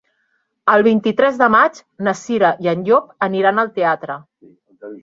El vint-i-tres de maig na Cira i en Llop aniran al teatre.